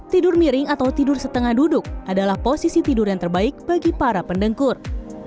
tidur miring atau tidur setengah duduk adalah posisi tidur yang terbaik bagi para pendengkur